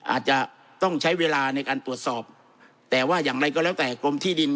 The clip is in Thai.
อาจจะต้องใช้เวลาในการตรวจสอบแต่ว่าอย่างไรก็แล้วแต่กรมที่ดิน